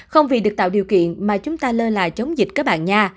không vì được tạo điều kiện mà chúng ta lơ là chống dịch các bạn nga